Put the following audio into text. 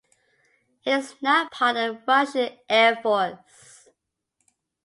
It is now part of the Russian Air Force.